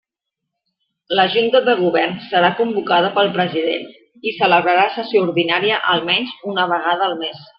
La Junta de Govern serà convocada pel president i celebrarà sessió ordinària almenys una vegada al mes.